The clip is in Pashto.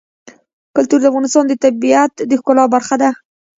کلتور د افغانستان د طبیعت د ښکلا برخه ده.